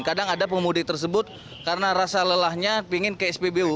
kadang ada pemudik tersebut karena rasa lelahnya pingin ke spbu